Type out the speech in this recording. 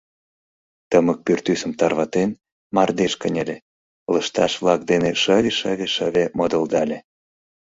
Тымык пӱртӱсым тарватен, мардеж кынеле, лышташ-влак дене шыве-шыве-шыве модылдале.